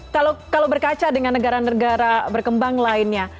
kalau berkaca dengan negara negara berkembang lainnya